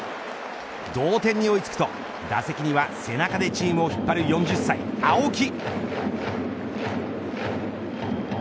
同点に追い付くと打席には、背中でチームを引っ張る４０歳、青木。